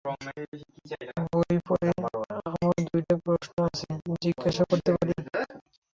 বইটা পড়ে, আমার দুইটা প্রশ্ন আছে, -জিজ্ঞাস করতে পারি?